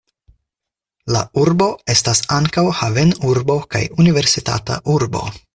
La urbo estas ankaŭ havenurbo kaj universitata urbo.